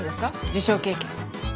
受賞経験。